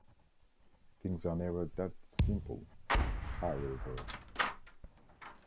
Things are never that simple, however.